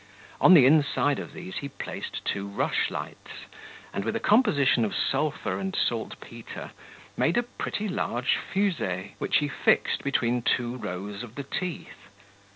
On the inside of these he placed two rushlights, and, with a composition of sulphur and saltpetre, made a pretty large fusee, which he fixed between two rows of the teeth.